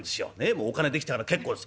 『もうお金できたから結構です。